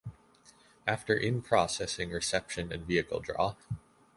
After in-processing, reception and vehicle draw.